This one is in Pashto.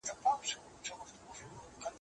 زه به اوږده موده د ژبي تمرين کړی وم!